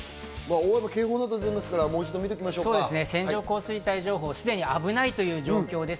大雨、警報などが出ているの線状降水帯情報、すでに危ないという状況です。